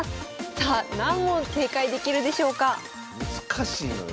さあ何問正解できるでしょうか難しいのよ